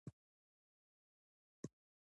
د صابون او شامپو تولید شته؟